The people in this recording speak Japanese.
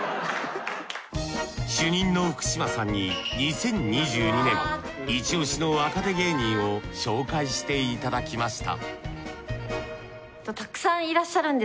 主任の福嶋さんに２０２２年イチオシの若手芸人を紹介していただきました